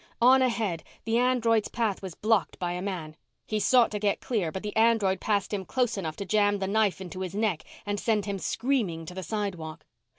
On ahead, the android's path was blocked by a man. He sought to get clear but the android passed him close enough to jam the knife into his neck and send him screaming to the sidewalk.